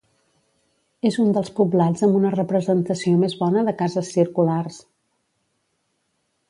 És un dels poblats amb una representació més bona de cases circulars.